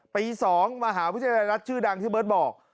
ปี๒มหาวิทยาลัยรัฐชื่อดังที่เบิร์ตบอก